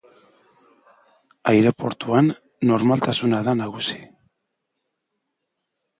Aireportuan normaltasuna da nagusi.